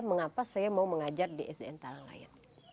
mengapa saya mau mengajar di sdn talang layan